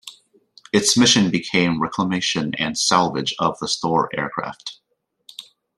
Its mission became the reclamation and salvage of the stored aircraft.